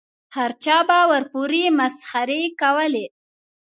هر چا به ورپورې مسخرې کولې.